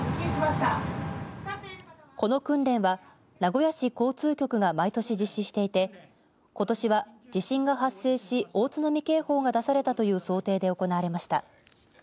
この訓練は名古屋市交通局が毎年、実施していてことしは、地震が発生し大津波警報が出されたという想定で行われました。